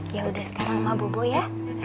ya udah sekarang mak bobo ya